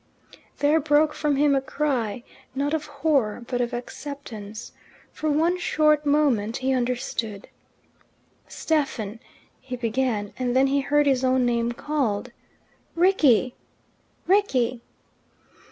There broke from him a cry, not of horror but of acceptance. For one short moment he understood. "Stephen " he began, and then he heard his own name called: "Rickie! Rickie!"